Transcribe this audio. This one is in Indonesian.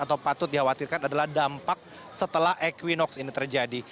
apakah dampak setelah equinox ini terjadi